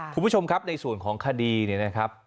คุณผู้ชมครับในส่วนของคดีเนี่ยนะครับ